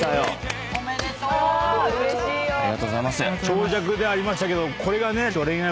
長尺ではありましたけど。